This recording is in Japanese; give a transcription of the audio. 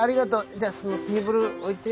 じゃあテーブル置いて。